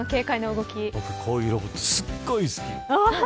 僕こういうロボットすっごい好き。